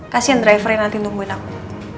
kasian drivernya nanti nungguin aku